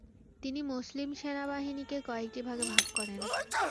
তিনি মুসলিম সেনাবাহিনীকে কয়েকটি ভাগে ভাগ করেন।